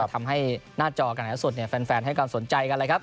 ทำให้หน้าจอกันแล้วสดแฟนให้ความสนใจกันเลยครับ